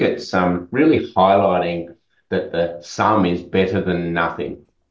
bahwa beberapa lebih baik daripada tidak